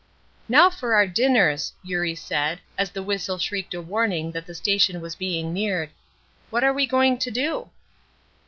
"Now for our dinners!" Eurie said, as the whistle shrieked a warning that the station was being neared. "What are we going to do?"